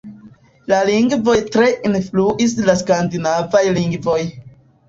La lingvon tre influis la skandinavaj lingvoj.